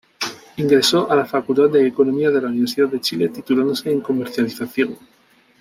Ingresó a la Facultad de Economía de la Universidad de Chile titulándose en Comercialización.